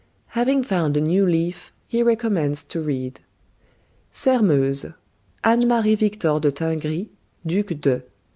Having found a new leaf, he recommenced to read: "Sairmeuse (Anne Marie Victor de Tingry, Duc de).